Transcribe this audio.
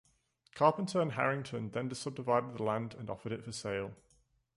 Carpenter and Harrington then subdivided the land, and offered it for sale.